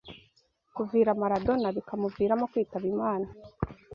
kuvura Maradona, bikamuviramo kwitaba Imana